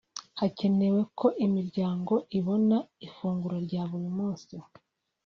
hacyenewe ko imiryango ibona ifunguro rya buri munsi